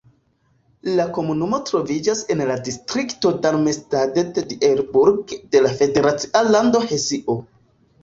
La komunumo troviĝas en la distrikto Darmstadt-Dieburg de la federacia lando Hesio.